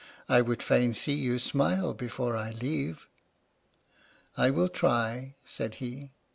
I would fain see you smile before I leave." " I will try," said he.